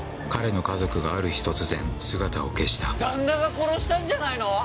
彼の家族がある日突然姿を消した旦那が殺したんじゃないの？